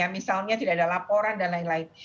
misalnya tidak ada laporan dan lain lain